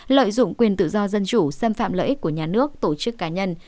lợi dụng quyền tự do dân chủ xâm phạm lợi ích của nhà nước tổ chức cá nhân